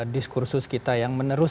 diskursus kita yang menerus